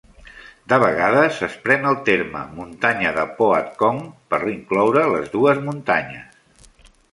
De vegades es pren el terme "Muntanya de Pohatcong" per incloure les dues muntanyes.